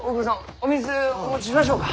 お水お持ちしましょうか？